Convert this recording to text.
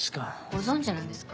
ご存じなんですか？